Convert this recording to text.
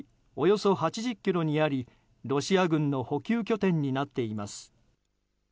およそ８０ｋｍにありロシア軍の補給拠点になっています。